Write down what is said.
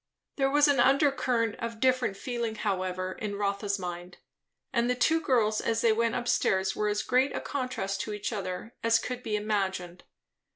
There was an under current of different feeling however, in Rotha's mind; and the two girls as they went up stairs were as great a contrast to each other as could be imagined.